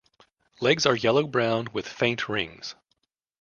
Legs are yellow brown with faint rings.